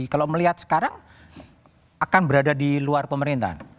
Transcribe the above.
kalau melihat sekarang akan berada di luar pemerintahan